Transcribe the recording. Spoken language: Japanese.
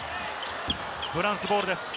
フランスボールです。